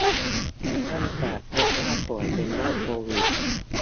ตั้งแต่พบว่าป่วยเป็นโรคโควิด